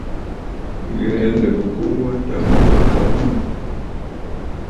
Ghɛ̀ɛ nlɨgə ɨkuu wa tâ mu wa kɔʼɔ nɔŋə.